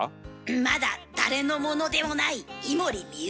まだ誰のものでもない井森美幸。